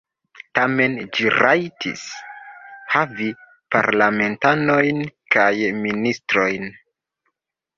Tamen ĝi rajtis havi parlamentanojn kaj ministrojn.